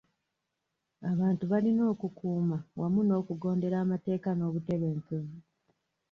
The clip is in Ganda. Abantu balina okukuuma wamu n'okugondera amateeka n'obutebenkevu.